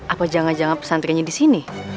apa jangka jangka pesantrennya di sini